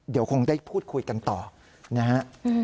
เดี๋ยวคงได้พูดคุยกันต่อนะฮะ